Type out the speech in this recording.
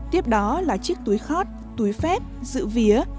tiếp đó là chiếc túi khót túi phép giữ vía